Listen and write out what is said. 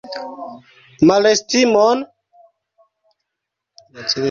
Malestimon?